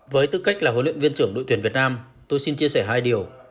với tư cách là huấn luyện viên trưởng đội tuyển việt nam tôi xin chia sẻ hai điều